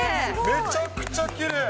めちゃくちゃきれい！